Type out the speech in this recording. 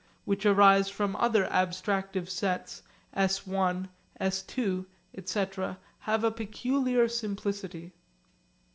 which arise from other abstractive sets s′, s″, etc., have a peculiar simplicity.